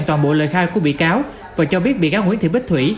toàn bộ lời khai của biệt cáo và cho biết biệt cáo nguyễn thị bích thủy